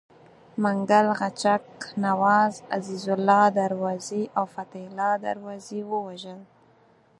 منګل غچک نواز، عزیزالله دروازي او فتح الله دروازي ووژل.